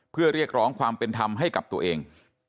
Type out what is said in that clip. เพื่อเรียกร้องความเป็นธรรมให้กับตัวเอง